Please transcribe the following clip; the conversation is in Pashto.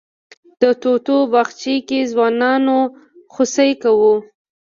د توتو باغچې کې ځوانانو خوسی کوه.